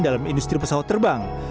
dalam industri pesawat terbang